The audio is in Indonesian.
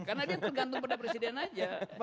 karena dia tergantung pada presiden aja